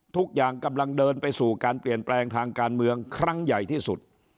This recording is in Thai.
กำลังเดินไปสู่การเปลี่ยนแปลงทางการเมืองครั้งใหญ่ที่สุด